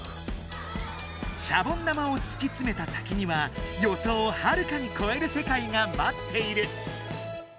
シャボン玉をつきつめた先にはよそうをはるかにこえるせかいがまっている。